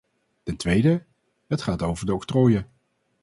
Ten tweede, het gaat over de octrooien.